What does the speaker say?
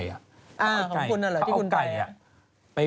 อ้าของคุณน่ะเหรอที่คุณไป